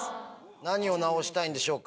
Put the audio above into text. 何を直したいんでしょうか。